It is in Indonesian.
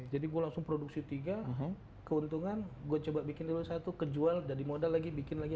jadi gua langsung produksi tiga keuntungan gua coba bikin dulu satu kejual jadi modal lagi bikin lagi